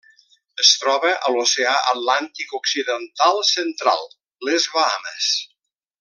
Es troba a l'Oceà Atlàntic occidental central: les Bahames.